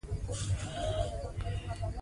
د وطن ابادي زموږ لومړیتوب دی.